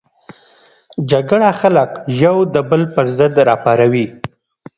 جګړه خلک یو د بل پر ضد راپاروي